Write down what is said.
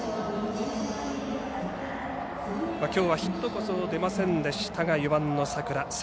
今日はヒットこそ出ませんでしたが４番、佐倉。